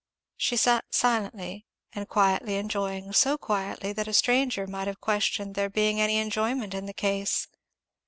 She eat silently and quietly enjoying; so quietly that a stranger might have questioned there being any enjoyment in the case.